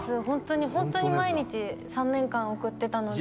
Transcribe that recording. ホントに毎日３年間送ってたので。